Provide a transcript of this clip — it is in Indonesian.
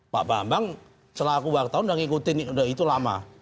pak bambang selama keluar tahun sudah mengikuti itu lama